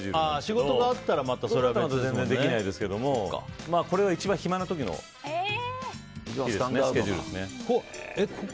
仕事があったら全然できないですけどもこれが一番暇な時のスケジュールですね。